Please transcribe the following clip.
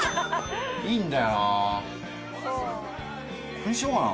これにしようかな？